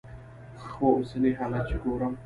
خو اوسني حالات چې ګورم.